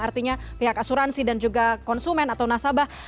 artinya pihak asuransi dan juga konsumen atau nasabah